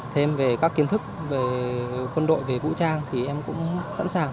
thêm về các kiến thức về quân đội về vũ trang thì em cũng sẵn sàng